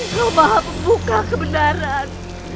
kau maaf buka kebenaran